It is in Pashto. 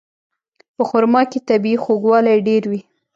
په خرما کې طبیعي خوږوالی ډېر وي.